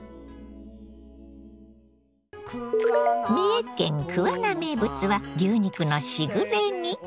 三重県桑名名物は牛肉のしぐれ煮。